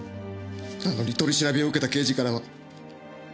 なのに取り調べを受けた刑事からは。